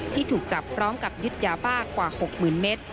ที่ถูกจับพร้อมกับยึดยาบ้ากว่า๖๐๐๐เมตร